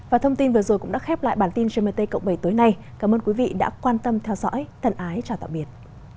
và thông tin vừa rồi cũng đã khép lại bản tin gmt cộng bảy tối nay cảm ơn quý vị đã quan tâm theo dõi thân ái chào tạm biệt